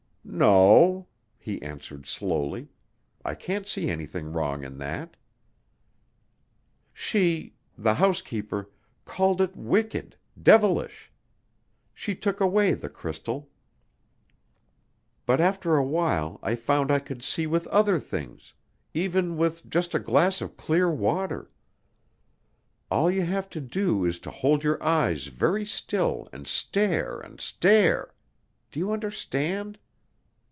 "No," he answered slowly, "I can't see anything wrong in that." "She the housekeeper called it wicked devilish. She took away the crystal. But after a while I found I could see with other things even with just a glass of clear water. All you have to do is to hold your eyes very still and stare and stare. Do you understand?"